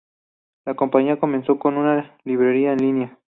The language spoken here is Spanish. La compañía comenzó como una librería en línea.